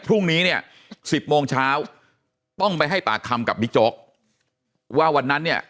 พรุ่งนี้เนี่ย๑๐โมงเช้าต้องไปให้ปากคำกับบิ๊กโจ๊กว่าวันนั้นเนี่ย